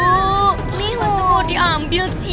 maksudnya mau diambil sih